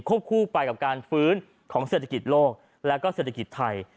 คู่ไปกับการฟื้นของเศรษฐกิจโลกและก็เศรษฐกิจไทย